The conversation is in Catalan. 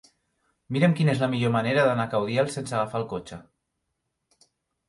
Mira'm quina és la millor manera d'anar a Caudiel sense agafar el cotxe.